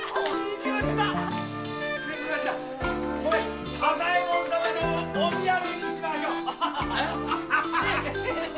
これ朝右衛門様のお土産にしましょ。